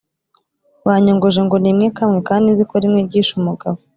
banyongoje ngo ninywe kamwe kdi nziko rimwe ryishe umugabo